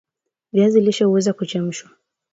viazi lishe huweza huchemshwa